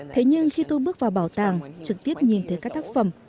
thế nhưng khi tôi bước vào bảo tàng trực tiếp nhìn thấy các tác phẩm